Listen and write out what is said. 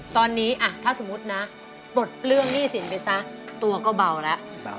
ตอนนี้ถ้าสมมุตินะปลดเรื่องหนี้สินไปซะตัวก็เบาแล้ว